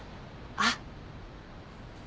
あっ。